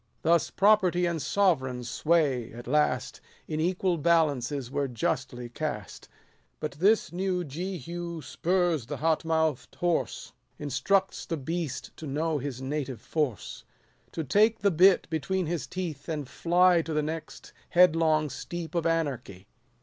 Thus property and sovereign sway, at last, In equal balances were justly cast : But this new Jehu spurs the hot mouth'd horse — Instructs the beast to know his native force ; 120 To take the bit between his teeth, and fly To the next headlong steep of anarchy.